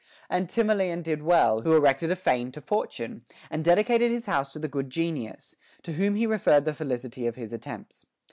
* And Timoleon did well, who erected a fane to Fortune, and dedicated his house to the Good Genius, to whom he referred the felicity of his attempts.